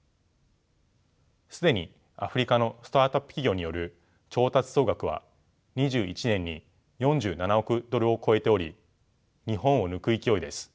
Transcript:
既にアフリカのスタートアップ企業による調達総額は２１年に４７億ドルを超えており日本を抜く勢いです。